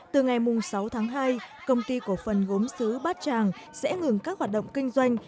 từ ngày sáu tháng hai công ty cổ phần gốm xứ bát tràng sẽ ngừng các hoạt động kinh doanh